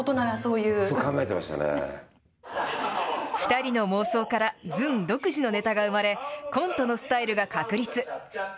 ２人の妄想からずん独自のネタが生まれ、コントのスタイルが確立。